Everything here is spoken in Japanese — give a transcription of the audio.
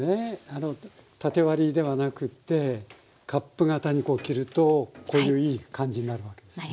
あの縦割りではなくってカップ形に切るとこういういい感じになる訳ですね。